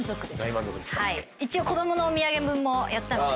一応子供のお土産分もやったので。